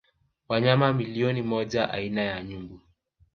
Wanyama milioni moja aina ya nyumbu